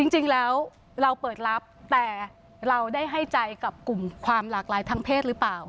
จริงแล้วเราเปิดรับแต่เราได้ให้ใจกับกลุ่มความหลากหลายทางเพศหรือเปล่า